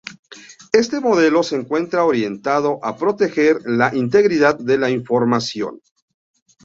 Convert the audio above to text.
Este modelo se encuentra orientado a proteger la integridad de la información.